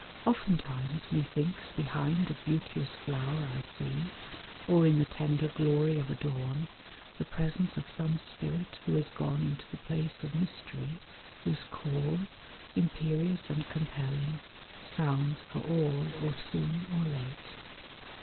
Oftentimes Methinks behind a beauteous flower I see, Or in the tender glory of a dawn, The presence of some spirit who has gone Into the place of mystery, whose call, Imperious and compelling, sounds for all Or soon or late.